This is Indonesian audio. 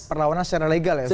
perlawanan secara legal ya